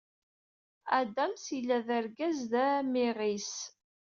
Adams yella d argaz d amiɣis.